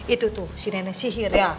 itu tuh si nenek sihir ya